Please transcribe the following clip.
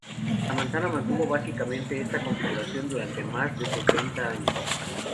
La manzana mantuvo básicamente esta configuración durante más de setenta años.